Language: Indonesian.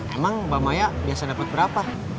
emang mbak maya biasa dapat berapa